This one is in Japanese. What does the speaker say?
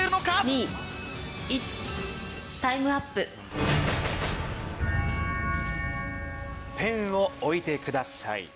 ３・２・１タイムアップペンを置いてください。